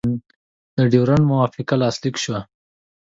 د ډیورنډ موافقه لاسلیک شوه.